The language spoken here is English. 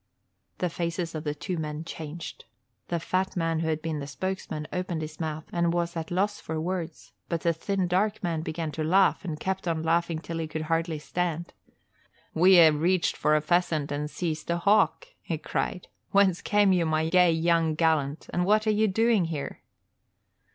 The faces of the two men changed. The fat man who had been the spokesman opened his mouth and was at loss for words, but the thin, dark man began to laugh and kept on laughing till he could hardly stand. "We ha' reached for a pheasant and seized a hawk," he cried. "Whence came you, my gay young gallant, and what are you doing here?"